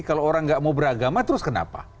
kalau orang nggak mau beragama terus kenapa